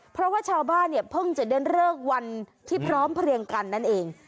เพราะว่าชาวบ้านเนี่ยเพิ่งจะเดินเลิกวันที่พร้อมเพลียงกันนั่นเอง